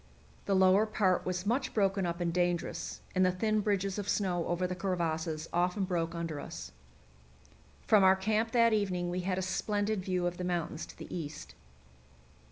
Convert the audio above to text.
The lower part was much broken up and dangerous, and the thin bridges of snow over the crevasses often broke under us. From our camp that evening we had a splendid view of the mountains to the east.